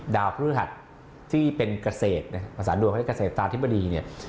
ดาวพฤหัสที่เป็นเกษตรภาษาดวงเขาเรียกว่าเกษตรอธิบดีเนี่ย